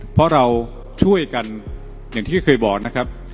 เพราะเราช่วยกันอย่างที่เคยบอกนะครับ